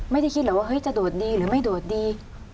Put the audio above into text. อ๋อไม่ได้คิดเหรอว่าจะโดดดีหรือไม่โดดดี